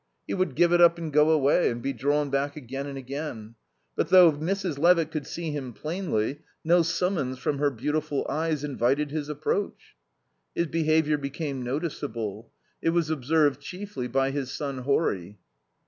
He would give it up and go away, and be drawn back again and again; but though Mrs. Levitt could see him plainly, no summons from her beautiful eyes invited his approach. His behaviour became noticeable. It was observed chiefly by his son Horry.